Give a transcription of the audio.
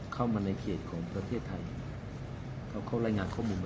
เข้ามาในเขตของประเทศไทยเขาเข้ารายงานข้อมูลมา